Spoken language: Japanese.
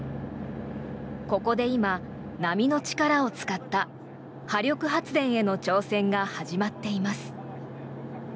ここで今、波の力を使った波力発電への挑戦が始まっています。